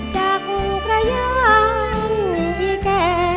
จะคงขยันที่แก่